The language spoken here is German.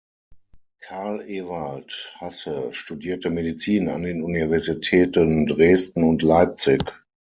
Karl Ewald Hasse studierte Medizin an den Universitäten Dresden und Leipzig.